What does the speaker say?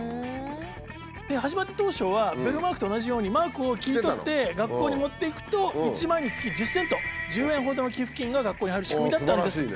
で始まった当初はベルマークと同じようにマークを切り取って学校に持っていくと１枚につき１０セント１０円ほどの寄付金が学校に入る仕組みだったんですが。